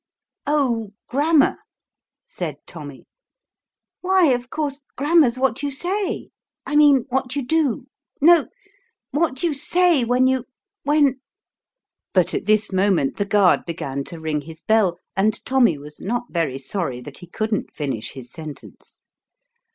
"Oh, grammar," said Tommy. "Why, of course, grammar's what you say I mean what you do no, what you say when you when " but at this moment the guard began to ring his bell, and Tommy was not very sorry that he couldn't finish his sentence.